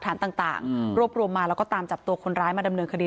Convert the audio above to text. ตอนนั้นก็มีลูกชายไว้๒๐วันที่แม่ยายอุ้มอยู่